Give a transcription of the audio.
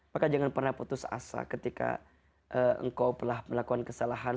maka jangan pernah putus asa ketika engkau telah melakukan kesalahan